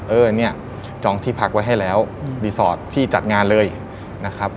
เออเนี่ยจองที่พักไว้ให้แล้วรีสอร์ทที่จัดงานเลยนะครับ